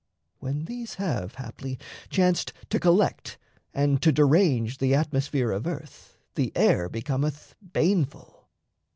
When these have, haply, chanced to collect And to derange the atmosphere of earth, The air becometh baneful.